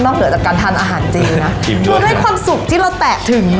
นอกเหลือจากการทานอาหารเจนะจริงจริงได้ความสุขที่เราแตะถึง